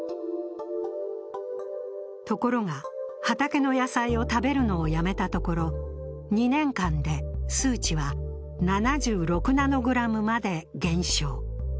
ところが、畑の野菜を食べるのをやめたところ、２年間で数値は７６ナノグラムまで減少。